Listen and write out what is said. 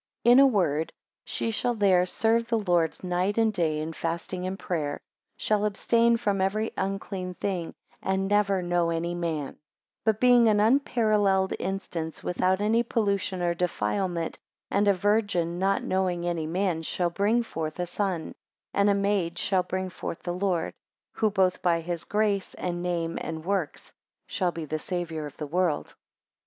4 In a word, she shall there serve the Lord night and day in fasting and prayer, shall abstain from every unclean thing, and never know any man; 5 But, being an unparalleled instance without any pollution or defilement, and a virgin not knowing any man, shall ring forth a son, and a maid shall bring forth the Lord, who both by his grace and name and works, shall be the Saviour of the world.